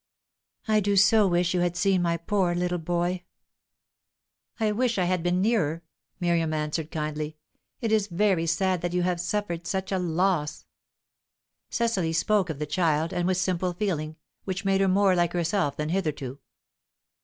"I do so wish you had seen my poor little boy!" "I wish I had been nearer," Miriam answered kindly. "It is very sad that you have suffered such a loss." Cecily spoke of the child, and with simple feeling, which made her more like herself than hitherto.